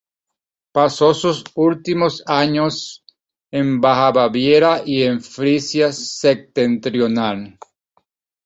Pasó sus últimos años en Baja Baviera y en Frisia Septentrional.